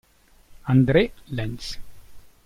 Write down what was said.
André Lenz